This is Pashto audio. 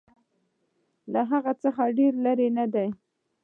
له هغه څخه ډېر لیري نه دی.